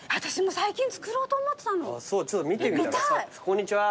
こんにちは。